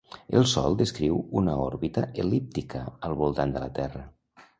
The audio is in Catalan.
El Sol descriu una òrbita el·líptica al voltant de la Terra.